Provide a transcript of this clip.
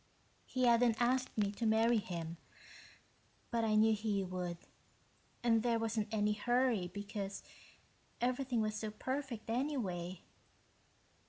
"He hadn't asked me to marry him, but I knew he would, and there wasn't any hurry, because everything was so perfect, anyway.